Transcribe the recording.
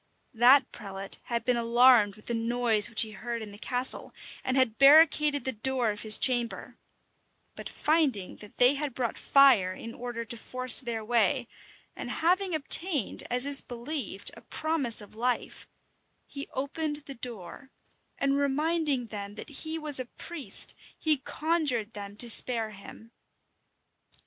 That prelate had been alarmed with the noise which he heard in the castle, and had barricadoed the door of his chamber; but finding that they had brought fire in order to force their way, and having obtained, as is believed, a promise of life, he opened the door, and reminding them that he was a priest, he conjured them to spare him.